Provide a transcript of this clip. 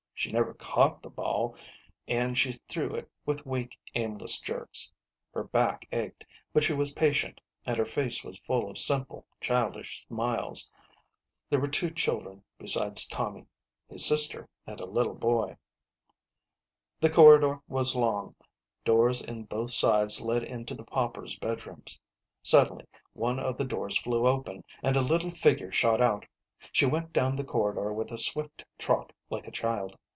She never caught the ball, and she threw it with weak, aimless jerks; her back ached, but she was patient, and her face was full of simple childish smiles. There were two children besides Tommy ŌĆö his sister and a little boy. The corridor was long ; doors in both sides led into the paupers 1 bedrooms. Suddenly one of the doors flew open, and a little figure shot out. She went down the corridor with a swift trot like a child.